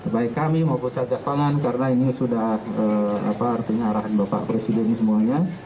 baik kami maupun satgas pangan karena ini sudah artinya arahan bapak presiden semuanya